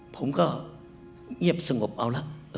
ผมก็เงียบสงบเอาละ